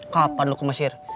kapan lu ke mesir